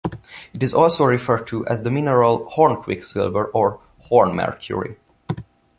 It is also referred to as the mineral "horn quicksilver" or "horn mercury".